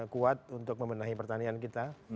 kuat untuk membenahi pertanian kita